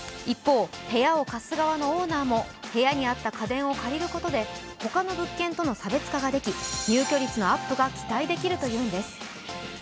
一方、部屋を貸す側のオーナーも部屋に合った家電を借りることで他の物件との差別化ができ入居率のアップが期待できるというんです。